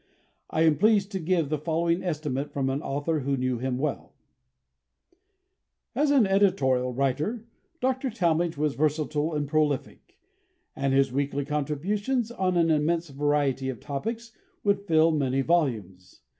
I am pleased to give the following estimate from an author who knew him well: "As an editorial writer, Dr. Talmage was versatile and prolific, and his weekly contributions on an immense variety of topics would fill many volumes.